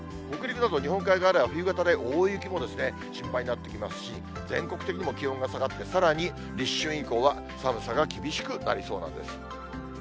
北陸など日本海側では冬型で、大雪も心配になってきますし、全国的にも気温が下がって、さらに立春以降は、寒さが厳しくなりそうなんです。